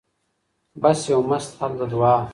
بس یو مست حل د دعا